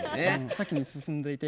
先に進んどいて。